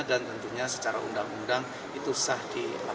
dan tentunya secara undang undang itu sah dilaksanakan